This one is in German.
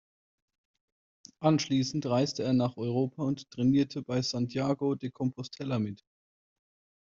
Anschließend reiste er nach Europa und trainierte bei Santiago de Compostela mit.